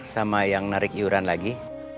sama yang narik iuran lagi